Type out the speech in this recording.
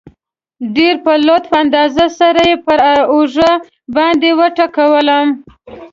ډېر په لطیف انداز سره یې پر اوږه باندې وټکولم.